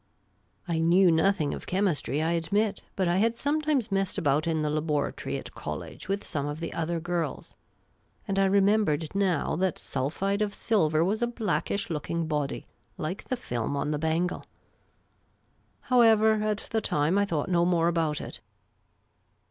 I knew nothing of chemistry, I admit ; but I had sometimes messed about in the laboratory at college with some of the other girls ; and I remembered now that sulphide of silver was a blackish looking body, like the film on the bangle. However, at the time I thought no more about it.